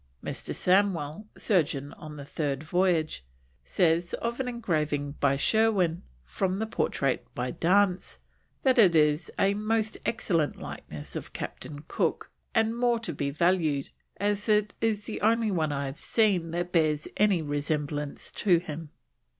Mr. Samwell, surgeon on the third voyage, says of an engraving by Sherwin, from the portrait by Dance, that it "is a most excellent likeness of Captain Cook; and more to be valued, as it is the only one I have seen that bears any resemblance to him."